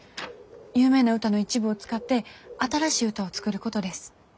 有名な歌の一部を使って新しい歌を作ることです。